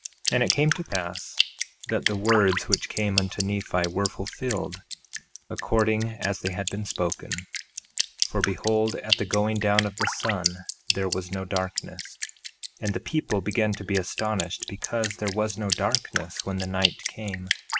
1:15 And it came to pass that the words which came unto Nephi were fulfilled, according as they had been spoken; for behold, at the going down of the sun there was no darkness; and the people began to be astonished because there was no darkness when the night came.